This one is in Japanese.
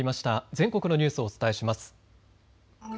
全国のニュースをお伝えします。